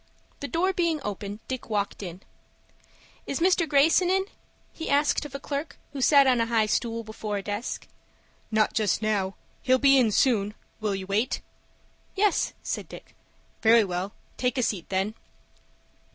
The door being open, Dick walked in. "Is Mr. Greyson in?" he asked of a clerk who sat on a high stool before a desk. "Not just now. He'll be in soon. Will you wait?" "Yes," said Dick. "Very well; take a seat then."